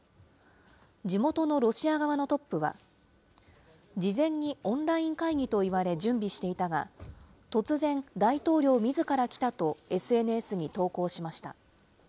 地元のロシア側のトップは、事前にオンライン会議と言われ準備していたが、突然、大統領みずから来たとＳＮＳに投稿しました。